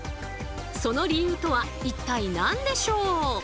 その理由とは一体なんでしょう？